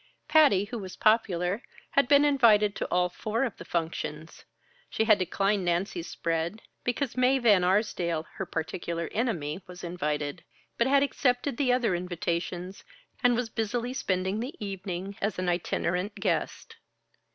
Patty, who was popular, had been invited to all four of the functions. She had declined Nancy's spread, because Mae Van Arsdale, her particular enemy, was invited; but had accepted the other invitations, and was busily spending the evening as an itinerant guest.